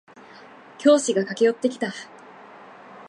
教師が駆け寄ってきた。